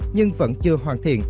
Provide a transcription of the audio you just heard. nhưng vẫn chưa hoàn thiện